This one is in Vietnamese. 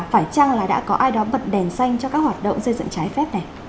phải chăng là đã có ai đó bật đèn xanh cho các hoạt động xây dựng trái phép này